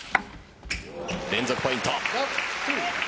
連続ポイント。